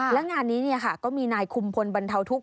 และงานนี้ก็มีนายคุมพลบรรเทาทุกข